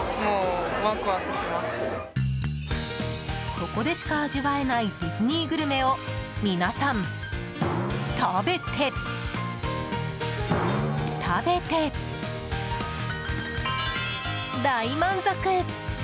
ここでしか味わえないディズニーグルメを皆さん、食べて、食べて大満足！